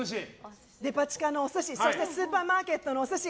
デパ地下のお寿司、そしてスーパーマーケットのお寿司。